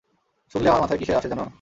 শুনলে আমার মাথায় কীসের আসে জানো?